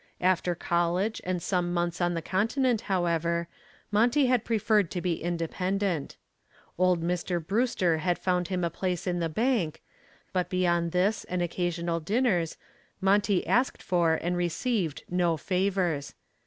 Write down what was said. After college and some months on the continent, however, Monty had preferred to be independent. Old Mr. Brewster had found him a place in the bank, but beyond this and occasional dinners, Monty asked for and received no favors.